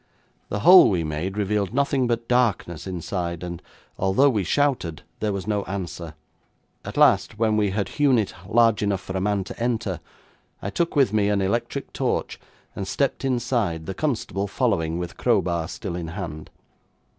The hole we made revealed nothing but darkness inside, and although we shouted, there was no answer. At last, when we had hewn it large enough for a man to enter, I took with me an electric torch, and stepped inside, the constable following, with crowbar still in hand.